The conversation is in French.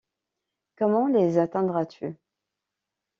comment les atteindras-tu?